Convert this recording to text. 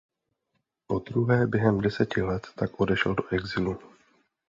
Podruhé během deseti let tak odešel do exilu.